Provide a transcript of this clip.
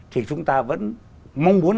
thì chúng ta vẫn mong muốn